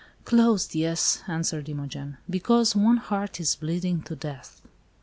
"Closed, yes," answered Imogen, "because one heart is bleeding to death."